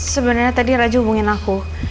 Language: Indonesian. sebenernya tadi raja hubungin aku